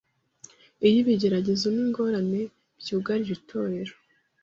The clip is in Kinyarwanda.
Iyo ibigeragezo n’ingorane byugarije itorero